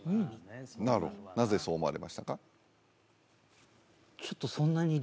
なるほどなぜそう思われましたか？